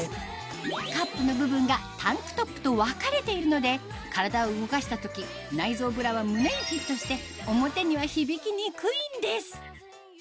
カップの部分がタンクトップと分かれているので体を動かした時内蔵ブラは胸にフィットして表には響きにくいんです